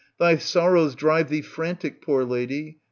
Thy sorrows drive thee frantic, poor lady.